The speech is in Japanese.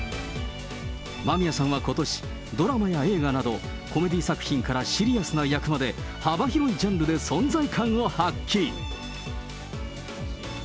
間宮さんはことし、ドラマや映画など、コメディー作品からシリアスな役まで、幅広いジャンルで存在感を発揮。